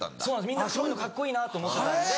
みんなそういうのカッコいいなと思ってたんで。